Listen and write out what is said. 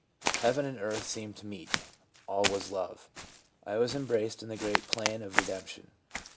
Heaven and earth seemed to meet. All was love. I was embraced in the great plan of redemption.